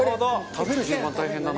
食べる順番大変だな。